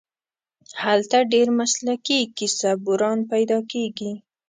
هلته ډېر مسلکي کیسه بُران پیدا کېږي.